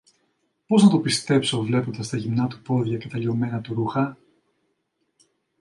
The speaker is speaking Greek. Πώς να το πιστέψω, βλέποντας τα γυμνά του πόδια και τα λιωμένα του ρούχα;